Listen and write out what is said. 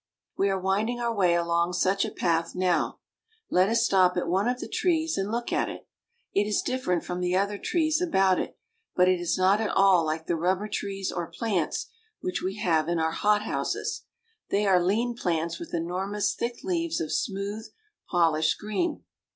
We are winding our way along such a path now. Let us stop at one of the trees and look at it. It is different from the other trees about it, but it is not at all like the rubber trees or plants which we have in our hothouses. They are lean plants with enormous, thick leaves of smooth, polished green.